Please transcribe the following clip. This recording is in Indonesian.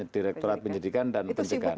direktorat penyidikan dan pencegahan